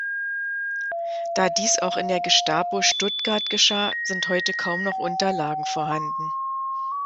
Da dies auch in der Gestapo Stuttgart geschah, sind heute kaum noch Unterlagen vorhanden.